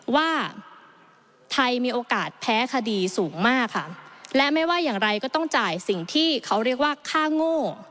ว่าไทยมีโอกาสแพ้คดีสูงมากค่ะและไม่ว่าอย่างไรก็ต้องจ่ายสิ่งที่เขาเรียกว่าค่าโง่